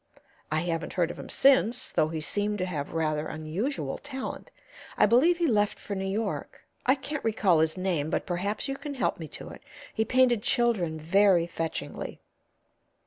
I haven't heard of him since, though he seemed to have rather unusual talent. I believe he left for New York. I can't recall his name, but perhaps you can help me to it. He painted children very fetchingly."